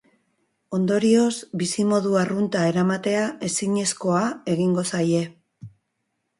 Ondorioz, bizimodu arrunta eramatea ezinezkoa egingo zaie.